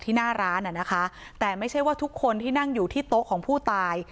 หน้าร้านอ่ะนะคะแต่ไม่ใช่ว่าทุกคนที่นั่งอยู่ที่โต๊ะของผู้ตาย